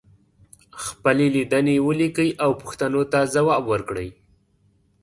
خپلې لیدنې ولیکئ او پوښتنو ته ځواب ورکړئ.